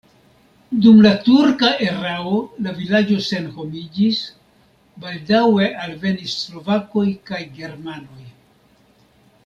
Dum la turka erao la vilaĝo senhomiĝis, baldaŭe alvenis slovakoj kaj germanoj.